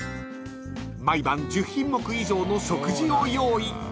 ［毎晩１０品目以上の食事を用意］